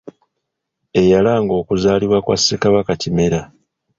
Eyalanga okuzaalibwa kwa Ssekabaka Kimera .